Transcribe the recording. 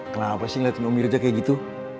kenapa sih liatin om mirza kayak gitu